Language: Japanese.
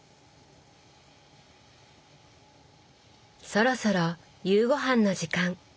そろそろ夕ごはんの時間。